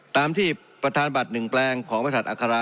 ตามที่ประธานบัตร๑แปลงของบริษัทอัครา